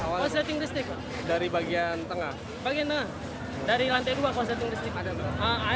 konsep tinggi stik dari bagian tengah dari lantai dua konsep tinggi stik